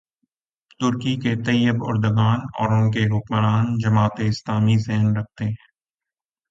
ترکی کے Tayyip Erdogan اور ان کی حکمران جماعت اسلامی ذہن رکھتے ہیں۔